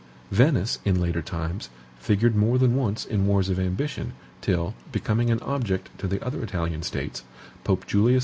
Venice, in later times, figured more than once in wars of ambition, till, becoming an object to the other Italian states, Pope Julius II.